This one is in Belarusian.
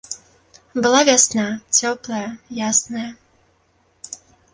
Была вясна цёплая, ясная.